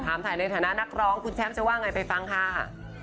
ถ่ายในฐานะนักร้องคุณแชมป์จะว่าไงไปฟังค่ะ